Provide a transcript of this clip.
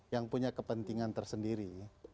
yang punya kepentingan tersendiri